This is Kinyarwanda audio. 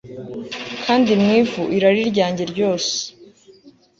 kandi mu ivu irari ryanjye ryose